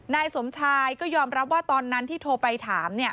นายสมชายก็ยอมรับว่าตอนนั้นที่โทรไปถามเนี่ย